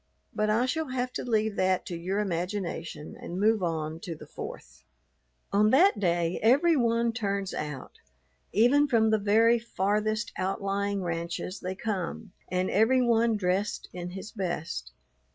But I shall have to leave that to your imagination and move on to the Fourth. On that day every one turns out; even from the very farthest outlying ranches they come, and every one dressed in his best.